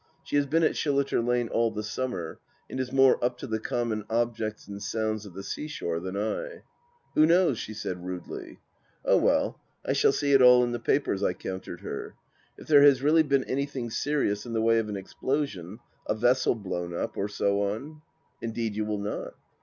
She has been at Shilliter Lane all the summer and is more up to the common objects and sounds of the seashore than I. " Who knows ?" she said rudely. " Oh, well, I shall see it all in the papers," I countered her. " If there has really been anything serious in the way of an explosion — a vessel blown up, or so on ?"" Indeed you will not.